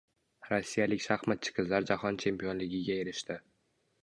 Rossiyalik shaxmatchi qizlar jahon chempionligiga erishdi